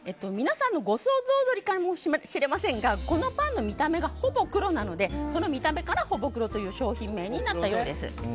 皆さんのご想像通りかもしれませんがこのパンの見た目がほぼ黒なので見た目からＨＯＢＯＫＵＲＯという商品名になったようです。